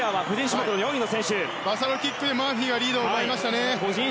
バサロキックでマーフィーがリードを奪いましたね。